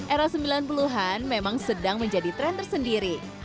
era sembilan puluh an memang sedang menjadi tren tersendiri